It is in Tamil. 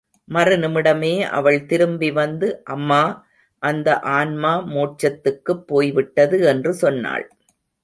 மறுநிமிடமே, அவள் திரும்பிவந்து, அம்மா, அந்த ஆன்மா மோட்சத்துக்குப் போய்விட்டது என்று சொன்னாள்.